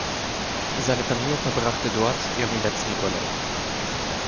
Seine Familie verbrachte dort ihren letzten Urlaub.